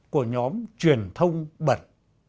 của nhóm truyền thông bẩn